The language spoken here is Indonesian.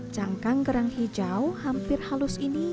cangkang kerang hijau hampir halus ini